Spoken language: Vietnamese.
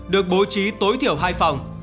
được bố trí tối thiểu hai phòng